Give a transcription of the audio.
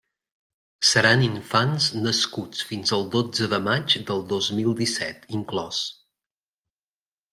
Seran infants nascuts fins al dotze de maig del dos mil disset, inclòs.